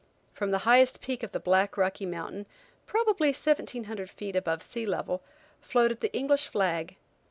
From the highest peak of the black, rocky mountain, probably 1700 feet above sea level, floated the English flag.